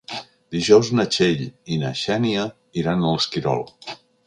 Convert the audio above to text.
Dijous na Txell i na Xènia iran a l'Esquirol.